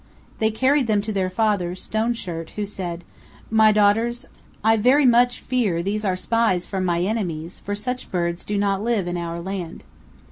They carried them to their father, Stone Shirt, who said: "My daughters, I very much fear these are spies from my enemies, for such birds do not live in our land."